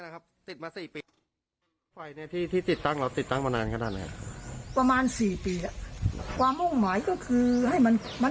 ขอโทษขอโทษแล้วกัน